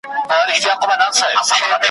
ویل پیره دا خرقه دي راکړه ماته ,